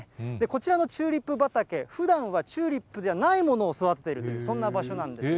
こちらのチューリップ畑、ふだんはチューリップではないものを育てている、そんな場所なんです。